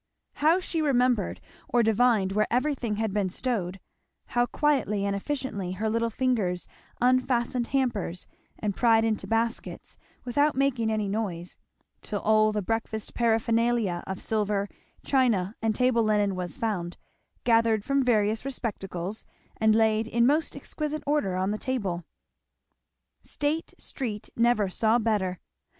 How she remembered or divined where everything had been stowed; how quietly and efficiently her little fingers unfastened hampers and pried into baskets, without making any noise; till all the breakfast paraphernalia of silver, china, and table linen was found, gathered from various receptacles, and laid in most exquisite order on the table. State street never saw better.